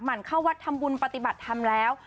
หมั่นเข้าวัดธรรมบุญปฏิบัติทำแล้ว